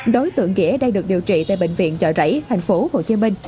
đối tượng ghe đang được điều trị tại bệnh viện chợ rẫy thành phố hồ chí minh